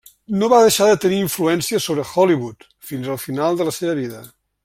No va deixar de tenir influència sobre Hollywood fins al final de la seva vida.